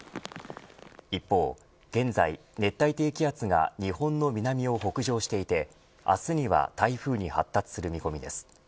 一方、現在、熱帯低気圧が日本の南を北上していて明日には台風に発達する見込みです。